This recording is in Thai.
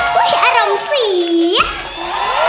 บรุษอย่างเธอให้ตาย